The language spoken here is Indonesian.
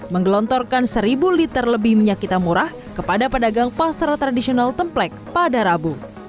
menggelontorkan seribu liter lebih minyak kita murah kepada pedagang pasar tradisional templek pada rabu